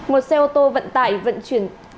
một xe ô tô vận tải vận chuyển